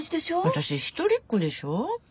私一人っ子でしょ？